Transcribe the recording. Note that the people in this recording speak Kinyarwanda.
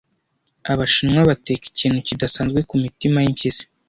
Abashinwa bateka ikintu kidasanzwe kumitima yimpyisi